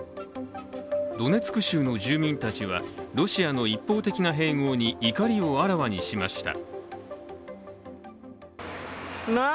ドネツク州の住民たちは、ロシアの一方的な併合に怒りをあらわにしました。